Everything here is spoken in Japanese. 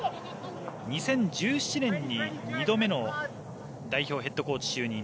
２０１７年に２度目の代表ヘッドコーチ就任。